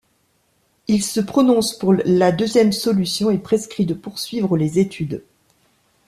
Il se prononce pour la deuxième solution et prescrit de poursuivre les études.